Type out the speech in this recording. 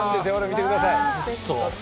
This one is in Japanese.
見てください！